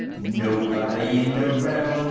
Nobody in de roun' worl'.